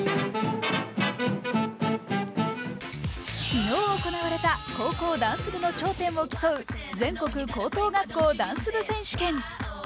昨日行われた高校ダンス部の頂点を競う全国高等学校ダンス部選手権。